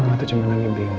mama tuh cuma lagi bingung